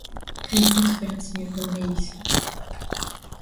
Хрипит в предсмертном рейсе.